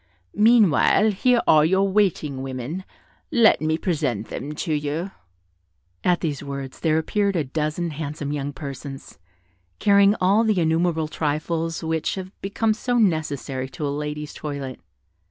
Meanwhile, here are your waiting women: let me present them to you." At these words, there appeared a dozen handsome young persons, carrying all the innumerable trifles which have become so necessary to a lady's toilet.